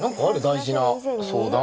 大事な相談。